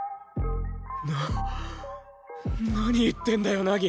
な何言ってんだよ凪。